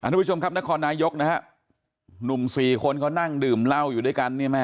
ทุกผู้ชมครับนครนายกนุ่มสี่คนเขานั่งดื่มเหล้าอยู่ด้วยกัน